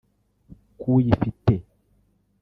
k’uyifite